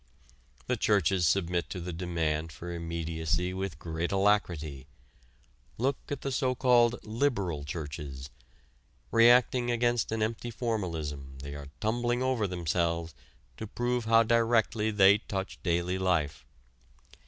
The churches submit to the demand for immediacy with great alacrity. Look at the so called "liberal" churches. Reacting against an empty formalism they are tumbling over themselves to prove how directly they touch daily life.